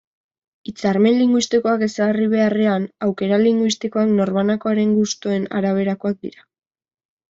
Hitzarmen linguistikoak ezarri beharrean, aukera linguistikoak norbanakoaren gustuen araberakoak dira.